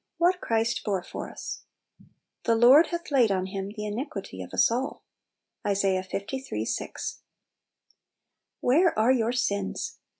6. WHAT CHRIST BORE FOR US. * The. Lord hath laid on Him the iniquity ol as alL"— Isa. liii. 6. WHERE are your sins